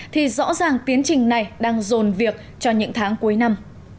thì rõ ràng tiến trình này đang dồn việc cho những tháng cuối năm